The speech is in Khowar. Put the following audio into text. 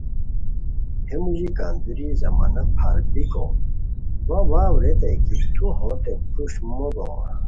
ہے موژی کندروی زمانہ پھار بیکو وا واؤ ریتائے کی تو ہوتے پروشٹ موبوغے،